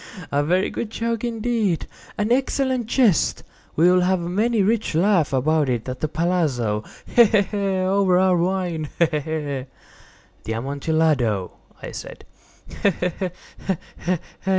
—he! he!—a very good joke indeed—an excellent jest. We will have many a rich laugh about it at the palazzo—he! he! he!—over our wine—he! he! he!" "The Amontillado!" I said.